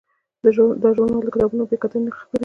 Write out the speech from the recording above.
دا ژورنال د کتابونو بیاکتنې نه خپروي.